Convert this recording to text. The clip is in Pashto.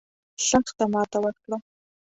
سخته ماته ورکړه.